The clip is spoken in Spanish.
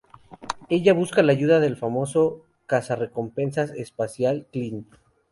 Ella busca la ayuda del famoso cazarrecompensas espacial Clint.